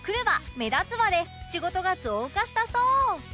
目立つわで仕事が増加したそう